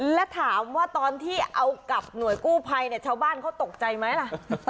และถามว่าตอนที่เอากับหน่วยกู้ภัยเนี่ยชาวบ้านเขาตกใจไหมล่ะ